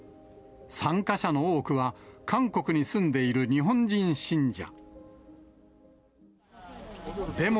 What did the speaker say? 参加者の多くは、韓国に住んでいる日本人信者。